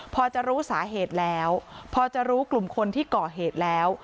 พอจะรู้สาเหตุแล้วพอจะรู้กลุ่มคนที่ก่อเหตุแล้ว